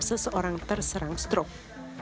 seseorang terserang stroke